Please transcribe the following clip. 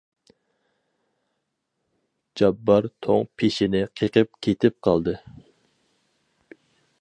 جاپپار توڭ پېشىنى قېقىپ كېتىپ قالدى.